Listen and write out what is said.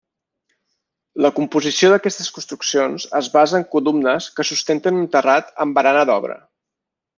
La composició d'aquestes construccions es basa en columnes que sustenten un terrat amb barana d'obra.